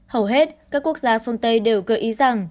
hầu hết các quốc gia phương tây đều gợi ý rằng